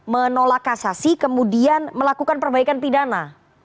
menolak kasasi kemudian melakukan perbaikan pidana